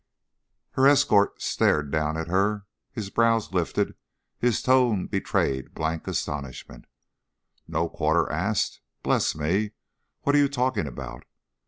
Her escort stared down at her, his brows lifted, his tone betrayed blank astonishment. "'No quarter asked'? Bless me! What are you talking about?"